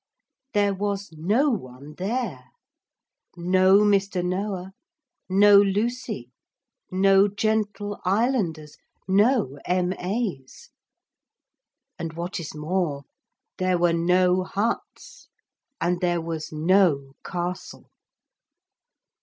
There was no one there. No Mr. Noah, no Lucy, no gentle islanders, no M.A.'s and what is more there were no huts and there was no castle.